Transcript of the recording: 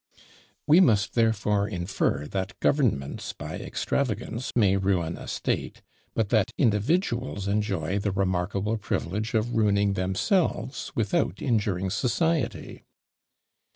We must therefore infer that governments by extravagance may ruin a state, but that individuals enjoy the remarkable privilege of ruining themselves without injuring society!